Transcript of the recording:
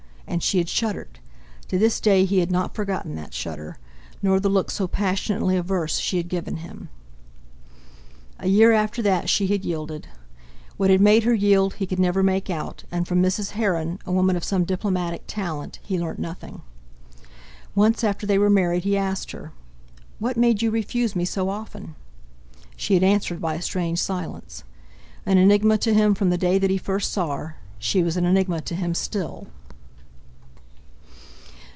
And she had shuddered—to this day he had not forgotten that shudder—nor the look so passionately averse she had given him. A year after that she had yielded. What had made her yield he could never make out; and from Mrs. Heron, a woman of some diplomatic talent, he learnt nothing. Once after they were married he asked her, "What made you refuse me so often?" She had answered by a strange silence. An enigma to him from the day that he first saw her, she was an enigma to him still....